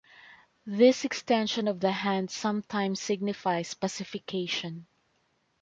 This extension of the hand sometimes signifies pacification.